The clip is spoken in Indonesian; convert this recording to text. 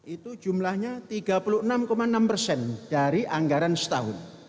itu jumlahnya tiga puluh enam enam persen dari anggaran setahun